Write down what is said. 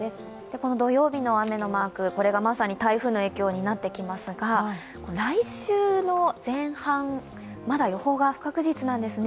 この土曜日の雨のマーク、これがまさに台風の影響になってきますが来週の前半、まだ予報が不確実なんですね。